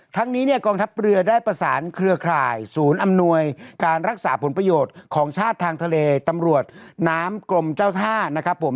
ทั้งนี้เนี่ยกองทัพเรือได้ประสานเครือข่ายศูนย์อำนวยการรักษาผลประโยชน์ของชาติทางทะเลตำรวจน้ำกรมเจ้าท่านะครับผม